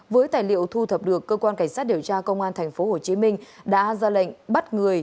với tài liệu thu thập được cơ quan cảnh sát điều tra công an tp hcm đã ra lệnh bắt người